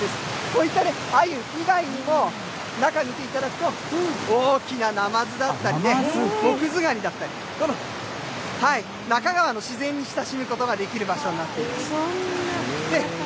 こういったアユ以外にも、中見ていただくと、大きなナマズだったりね、モクズガニだったり、那珂川の自然に親しむことができる場所になっています。